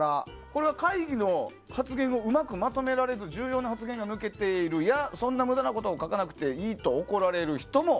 これは会議の発言をうまくまとめられずずっと発言が抜けているやそんな無駄なことを書かなくていいと怒られる人も。